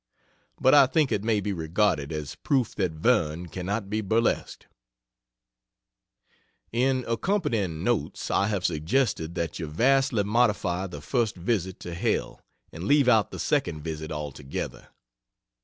But I think it may be regarded as proof that Verne cannot be burlesqued. In accompanying notes I have suggested that you vastly modify the first visit to hell, and leave out the second visit altogether.